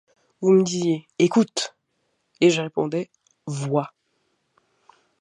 Vous me disiez: Écoute! et je répondais : Vois !